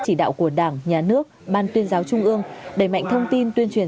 chỉ đạo của đảng nhà nước ban tuyên giáo trung ương đẩy mạnh thông tin tuyên truyền